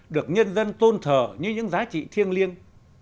được nhân dân tôn thờ như những giá trị thiêng liêng